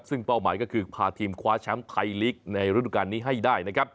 ซึ่งเป้าหมายก็คือพาทีมคว้าช้ำไทยลีกในรุ่นการนี้ให้ได้